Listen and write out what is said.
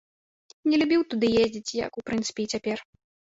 Не любіў туды ездзіць, як, у прынцыпе, і цяпер.